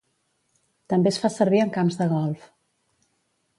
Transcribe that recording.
També es fa servir en camps de golf.